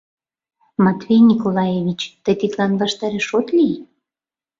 Матвей Николаевич, тый тидлан ваштареш от лий?